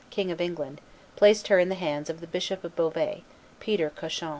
King of England, placed her in the hands of the Bishop of Beauvais, Peter Cauchon.